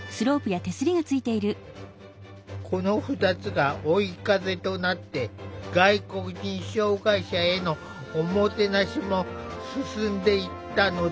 この２つが追い風となって外国人障害者への“おもてなし”も進んでいったのだ。